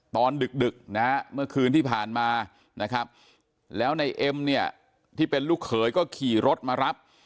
ดึกนะฮะเมื่อคืนที่ผ่านมานะครับแล้วในเอ็มเนี่ยที่เป็นลูกเขยก็ขี่รถมารับ